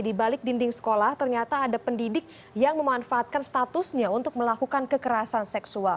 di balik dinding sekolah ternyata ada pendidik yang memanfaatkan statusnya untuk melakukan kekerasan seksual